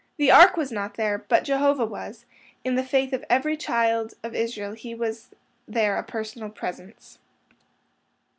The Ark was not there, but Jehovah was—in the faith of every child of Israel he was there a personal Presence.